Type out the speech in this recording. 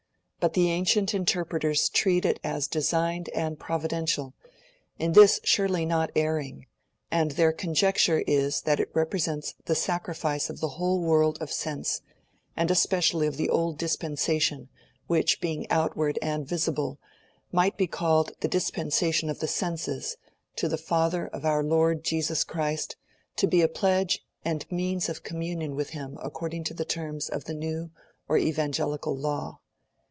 But the ancient interpreters treat it as designed and providential, in this surely not erring: and their conjecture is that it represents the sacrifice of the whole world of sense, and especially of the Old Dispensation, which, being outward and visible, might be called the dispensation of the senses, to the FATHER of our LORD JESUS CHRIST, to be a pledge and means of communion with Him according to the terms of the new or evangelical law.